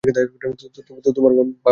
তোমার পা সারিয়ে দিয়েছি!